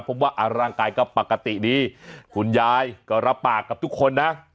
ว่าร่างกายก็ปกติดีคุณยายก็รับปากกับทุกคนนะ